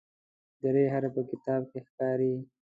د "ر" حرف په کتاب کې ښکاري.